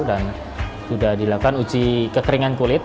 sudah dilakukan uji kekeringan kulit